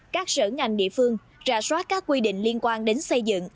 các sở ngành địa phương rà soát các quy định liên quan đến xây dựng